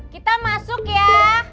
kita masuk ya